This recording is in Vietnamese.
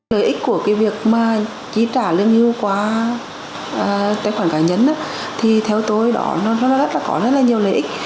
lợi ích của việc chi trả lương hưu qua tài khoản cá nhân theo tôi có rất nhiều lợi ích